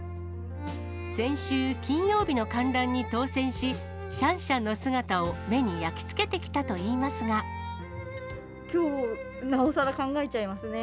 先週金曜日の観覧に当せんし、シャンシャンの姿を目に焼き付けきょう、なおさら考えちゃいますね。